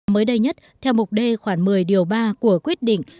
mới đây nhất theo mục đê khoảng một mươi điều ba của quyết định